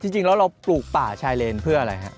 จริงแล้วเราปลูกป่าชายเลนเพื่ออะไรฮะ